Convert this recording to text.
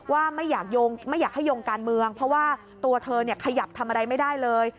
ว่าไม่อยากไม่อยากให้ยงการเมืองเพราะว่าตัวเธอขยับทำอะไรไม่ได้เลย